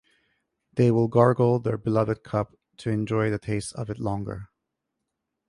They will gargle their beloved cup, to enjoy the taste of it longer.